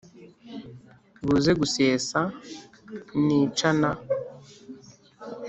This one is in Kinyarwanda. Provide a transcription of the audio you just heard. Buze gusesa nicana ».